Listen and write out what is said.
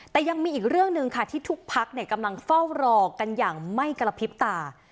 แต่ยังมีอีกเรื่องหนึ่งค่ะที่ทุกพักกำลังเฝ้ารอกันอย่างไม่กระพริบตา